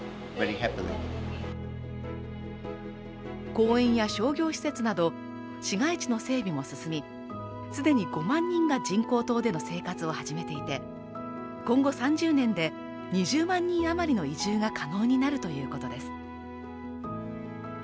公園や商業施設など市街地の整備も進み、既に５万人が人工島での生活を始めていて、今後３０年で２０万人あまりの移住が可能になるということです。